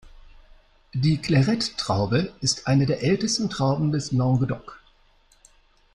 Die Clairette-Traube ist eine der ältesten Trauben des Languedoc.